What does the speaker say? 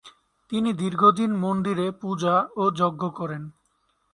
তিনি দীর্ঘদিন মন্দিরে পূজা ও যজ্ঞ করেন।